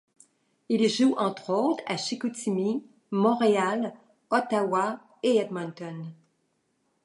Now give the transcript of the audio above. Il joue entre autres à Chicoutimi, Montréal, Ottawa et Edmonton.